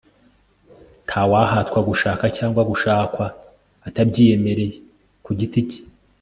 ntawahatwa gushaka cyangwa gushakwa atabyiyemereye ku giti cye